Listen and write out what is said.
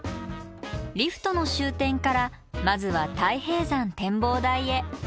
リフトの終点からまずは大平山展望台へ。